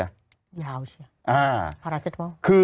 ยาวใช่ไหมพระราชิตว่า